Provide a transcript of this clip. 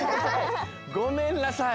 ごめんなさい。